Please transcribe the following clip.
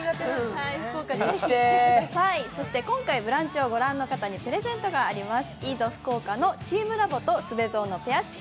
今回「ブランチ」をご覧の方にプレゼントがあります。